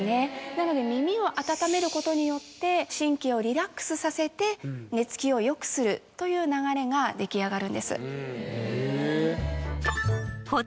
なので耳を温めることによって神経をリラックスさせて寝つきをよくするという流れが出来上がるんです。